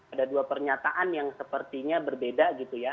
ada dua pernyataan yang sepertinya berbeda gitu ya